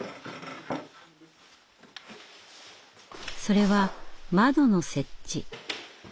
それは窓の設置。